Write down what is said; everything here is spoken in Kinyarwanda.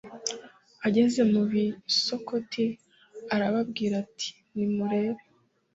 Ageze mu b i Sukoti arababwira ati Nimurebe